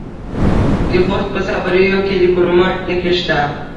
د خوست په صبریو کې د کرومایټ نښې شته.